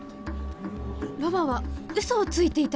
ロバはウソをついていたの！？